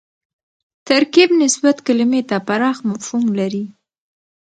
ترکیب نسبت کلیمې ته پراخ مفهوم لري